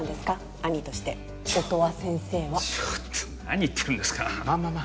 兄として音羽先生はちょっと何言ってるんですかまあまあまあ